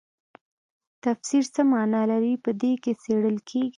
تفسیر څه مانا لري په دې کې څیړل کیږي.